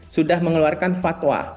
sudah mengeluarkan fatwa